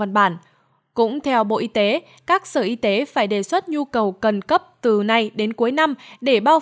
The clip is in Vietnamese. bản cũng theo bộ y tế các sở y tế phải đề xuất nhu cầu cần cấp từ nay đến cuối năm để bao